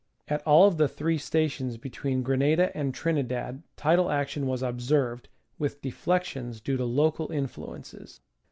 At all of the three stations between Grenada and Trinidad tidal action was observed, with deflections due to local influences.